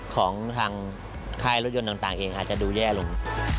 ของทางค่ายรถยนต์ต่างเองอาจจะดูแย่ลง